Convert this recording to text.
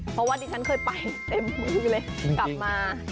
เพราะว่าดิฉันเคยไปเต็มมือเลยกลับมา